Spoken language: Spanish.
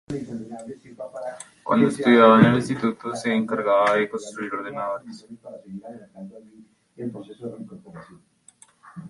Cuando estudiaba en el instituto, se encargaba de construir ordenadores.